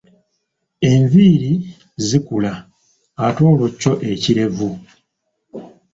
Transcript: Enviiri zikula ate olwo kyo ekirevu?